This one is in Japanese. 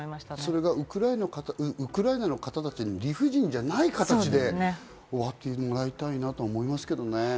それがウクライナの方たちに理不尽じゃない形で終わってほしいと思いますね。